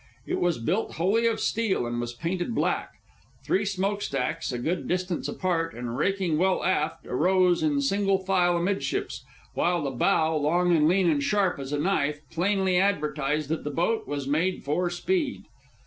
It was built wholly of steel, and was painted black. Three smokestacks, a good distance apart and raking well aft, arose in single file amidships; while the bow, long and lean and sharp as a knife, plainly advertised that the boat was made for speed.